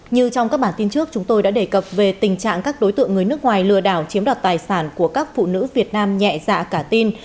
như trong các bản tin trước chúng tôi đã đề cập về tình trạng các đối tượng người nước ngoài lừa đảo chiếm đoạt tài sản của các phụ nữ việt nam nhẹ dạ cả tin